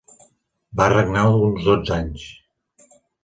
Va regnar uns dotze anys.